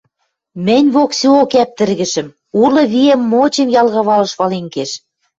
Мӹнь воксеок ӓптӹргӹшӹм, улы виэм-мочем ял кавалыш вален кеш.